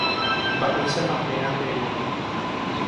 Mba'éichapa héra nde ru.